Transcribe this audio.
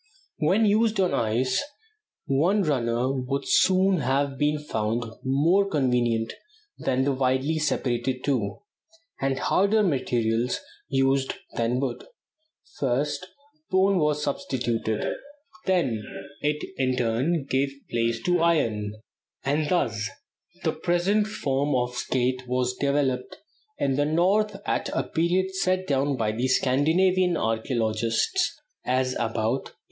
When used on ice, one runner would soon have been found more convenient than the widely separated two, and harder materials used than wood: first bone was substituted; then it, in turn, gave place to iron; and thus the present form of skate was developed in the North at a period set down by Scandinavian archæologists as about A.